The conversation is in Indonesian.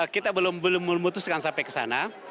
kita belum memutuskan sampai ke sana